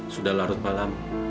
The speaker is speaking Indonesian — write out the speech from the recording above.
sudah larut malam